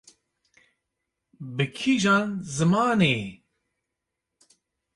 bi kîjan zimanê?